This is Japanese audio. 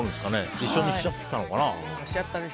一緒にしちゃってたのかな。